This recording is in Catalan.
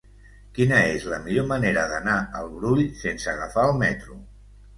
Quina és la millor manera d'anar al Brull sense agafar el metro?